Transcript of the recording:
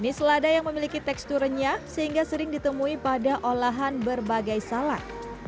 ini selada yang memiliki teksturnya sehingga sering ditemui pada olahan berbagai salad